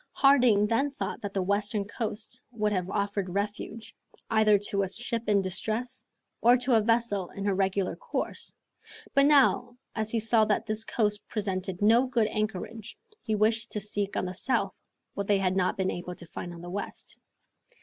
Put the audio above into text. Harding then thought that the western coast would have offered refuge, either to a ship in distress, or to a vessel in her regular course; but now, as he saw that this coast presented no good anchorage, he wished to seek on the south what they had not been able to find on the west.